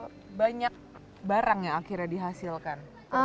berapa banyak barang yang akhirnya dihasilkan